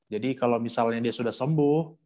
jadi kalau misalnya dia sudah sembuh